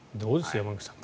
山口さん。